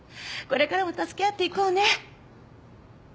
これからも助け合っていこうね。